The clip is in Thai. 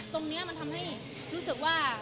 ตรงนี้มันทำให้รู้สึกว่า